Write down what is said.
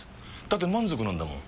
だって満足なんだもん。